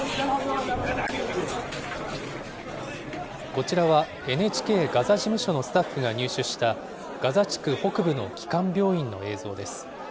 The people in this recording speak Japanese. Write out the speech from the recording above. こちらは、ＮＨＫガザ事務所のスタッフが入手したガザ地区北部の基幹病院の映像です。